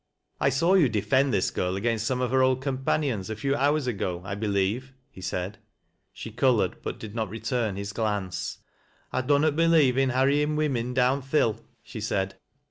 " I saw you defend this girl against some of her old companions, a few hours ago, I believe," he said. She colored, but did not return his glance. " I dunnot believe in harryin' women down th' hill," she said.